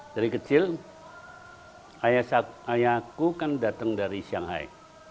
dari kecil ayahku kan datang dari shanghai